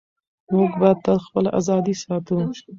موږ به تل خپله ازادي ساتو.